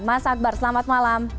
mas akbar selamat malam